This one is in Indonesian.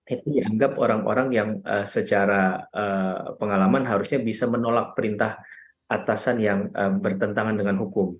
itu dianggap orang orang yang secara pengalaman harusnya bisa menolak perintah atasan yang bertentangan dengan hukum